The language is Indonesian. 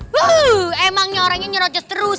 bu emangnya orangnya nyerocos terus